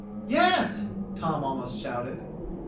"Yes!" Tom almost shouted.